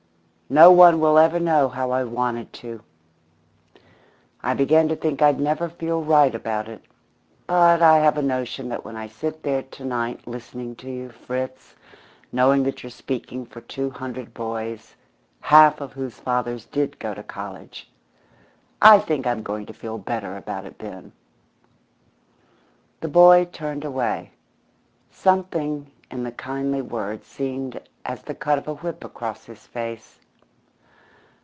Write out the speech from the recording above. No one will ever know how I wanted to! I began to think I'd never feel right about it. But I have a notion that when I sit there to night listening to you, Fritz, knowing that you're speaking for two hundred boys, half of whose fathers did go to college, I think I'm going to feel better about it then." The boy turned away. Something in the kindly words seemed as the cut of a whip across his face.